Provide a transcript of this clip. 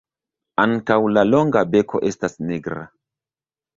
Ankaŭ la longa beko estas nigra.